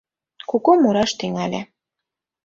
Куку мураш тӱҥале.